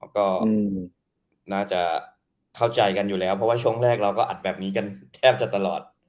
ก็น่าจะเข้าใจกันอยู่แล้วเพราะว่าช่วงแรกเราก็อัดแบบนี้กันแทบจะตลอด